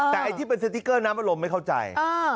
แต่ไอ้ที่เป็นสติ๊กเกอร์น้ำอารมณ์ไม่เข้าใจ